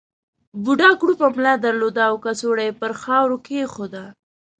بوډا کړوپه ملا درلوده او کڅوړه یې پر خاورو کېښوده.